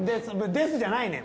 ですじゃないねん